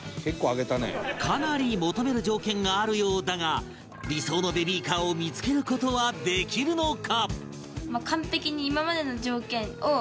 かなり求める条件があるようだが理想のベビーカーを見付ける事はできるのか？